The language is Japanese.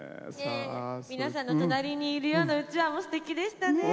皆さんの「隣にいるよ」っていう、うちわすてきでしたね。